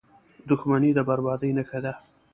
• دښمني د بربادۍ نښه ده.